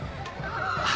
あっ。